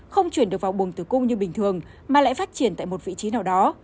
không chuyển được vào buồng tử cung như bình thường mà lại phát triển tại một vị trí nào đó